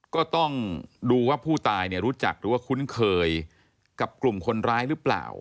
ก็ต้องดูว่าผู้ตายรู้จักหรือว่าคุ้นเคยกับกลุ่มคนร้ายหรือเปล่า